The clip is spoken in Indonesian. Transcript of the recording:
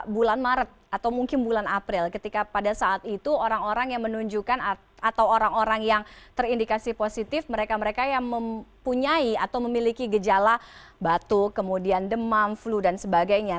bulan maret atau mungkin bulan april ketika pada saat itu orang orang yang menunjukkan atau orang orang yang terindikasi positif mereka mereka yang mempunyai atau memiliki gejala batuk kemudian demam flu dan sebagainya